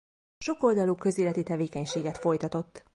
Sokoldalú közéleti tevékenységet folytatott.